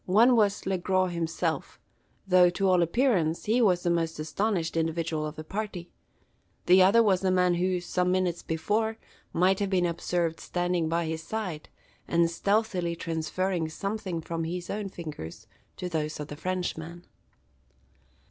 One was Le Gros himself, though, to all appearance, he was the most astonished individual of the party, the other was the man who, some minutes before, might have been observed standing by his side, and stealthily transferring something from his own fingers to those of the Frenchman.